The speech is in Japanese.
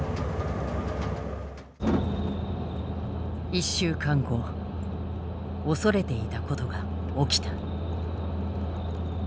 １週間後恐れていたことが起きた。